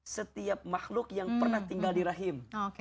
setiap makhluk yang pernah tinggal di rahim